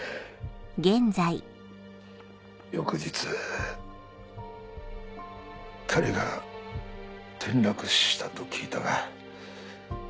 翌日彼が転落死したと聞いたが。